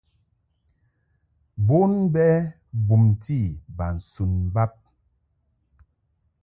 Bon bɛ bumti bas un bab.